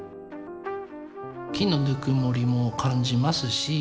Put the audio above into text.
木のぬくもりも感じますし。